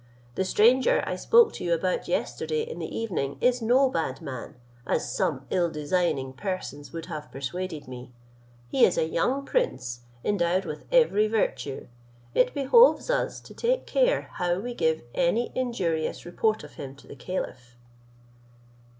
The stranger I spoke to you about yesterday in the evening is no bad man, as some ill designing persons would have persuaded me: he is a young prince, endowed with every virtue. It behoves us to take care how we give any injurious report of him to the caliph."